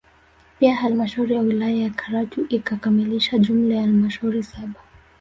Pia halmashauri ya wilaya ya Karatu ikikamilisha jumla ya halmashauri saba